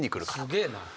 すげえな。